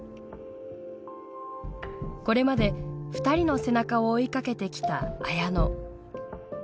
これまで２人の背中を追いかけてきた綾乃。